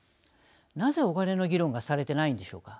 なぜ、お金の議論がされていないのでしょうか。